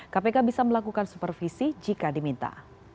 kpk bisa melakukan supervisi jika diminta